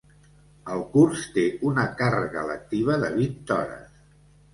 El curs té una càrrega lectiva de vint hores.